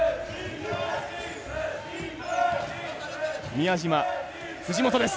宮島藤本です！